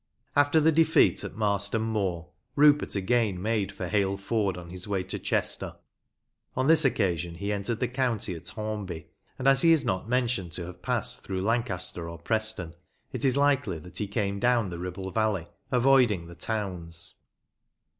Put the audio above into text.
After the defeat at Marston Moor, Rupert again made for Hale ford on his way to Chester. On this occasion he entered the county at Hornby, and as he is not mentioned to have passed through Lancaster or Preston, it is likely that he came down the Ribble Valley, avoiding the towns.